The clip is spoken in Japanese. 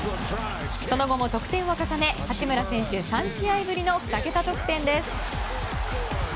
その後も得点を重ね八村選手、３試合ぶりの２桁得点です。